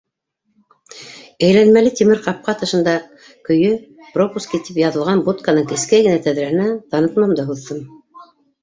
Әйләнмәле тимер ҡапҡа тышында көйө «Пропуски» тип яҙылған будканың кескәй генә тәҙрәһенә танытмамды һуҙҙым.